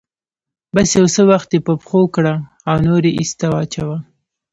بس يو څه وخت يې په پښو کړه او نور يې ايسته واچوه.